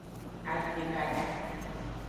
Agbebada.